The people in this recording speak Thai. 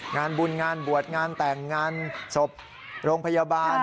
งานบุญงานบวชงานแต่งงานศพโรงพยาบาล